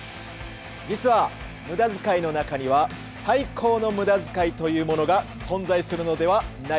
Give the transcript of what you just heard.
実は無駄遣いの中には「最高の無駄遣い」というものが存在するのではないでしょうか。